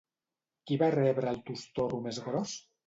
Qui va rebre el tostorro més gros?